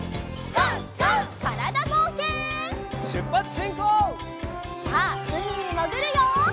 さあうみにもぐるよ！